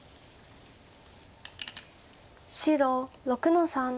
白６の三。